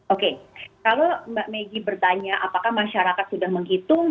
oke kalau mbak maggie bertanya apakah masyarakat sudah menghitung